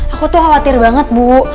aku tuh khawatir banget bu